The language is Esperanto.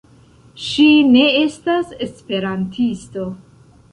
Ŝi ne estas esperantisto.